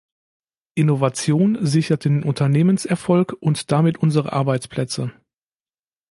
Innovation sichert den Unternehmenserfolg und damit unsere Arbeitsplätze.